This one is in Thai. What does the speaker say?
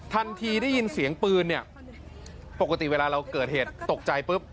ได้ยินเสียงปืนเนี่ยปกติเวลาเราเกิดเหตุตกใจปุ๊บ